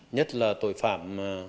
nhất là tội phạm